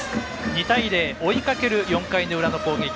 ２対０、追いかける４回の裏の攻撃。